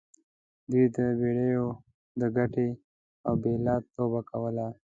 دوی د بیډیو د ګټې او بایلات لوبه کوله.